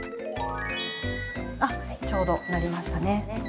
あっちょうどなりましたね。